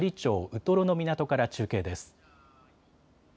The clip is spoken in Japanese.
ウトロの港から中継です。